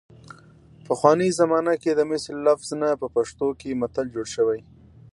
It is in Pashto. پخوانۍ زمانه کې د مثل لفظ نه په پښتو کې متل جوړ شوی